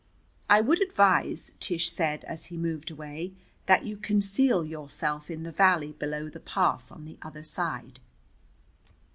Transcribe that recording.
"I would advise," Tish said as he moved away, "that you conceal yourself in the valley below the pass on the other side."